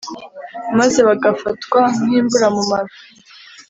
maze bagafatwa nk’« imburamumaro »